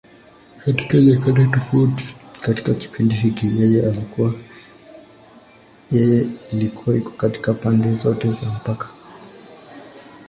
Katika nyakati tofauti katika kipindi hiki, yeye ilikuwa iko katika pande zote za mpaka.